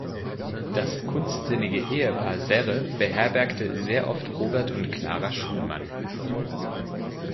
Das kunstsinnige Ehepaar Serre beherbergte sehr oft Robert und Clara Schumann.